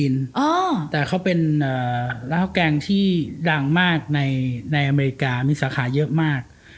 แล้วก็แกงที่รังมากในอเมริกามีสาขาเยอะมาก